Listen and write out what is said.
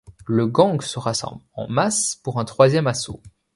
Le gang se rassemble en masse pour un troisième assaut.